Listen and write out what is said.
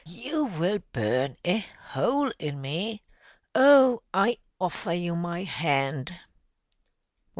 You will burn a hole in me. Oh! I offer you my hand."